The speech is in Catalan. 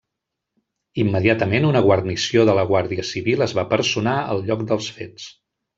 Immediatament, una guarnició de la Guàrdia Civil es va personar al lloc dels fets.